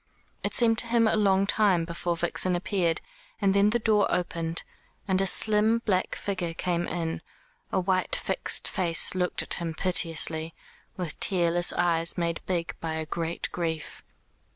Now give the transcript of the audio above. It seemed to him a long time before Vixen appeared, and then the door opened, and a slim black figure came in, a white fixed face looked at him piteously, with tearless eyes made big by a great grief.